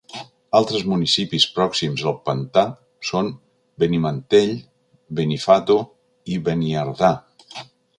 Altres municipis pròxims al pantà són Benimantell, Benifato i Beniardà.